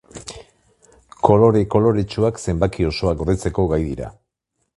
Kolore koloretsuak zenbaki osoak gordetzeko gai dira.